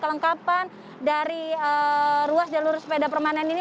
kelengkapan dari ruas jalur sepeda permanen ini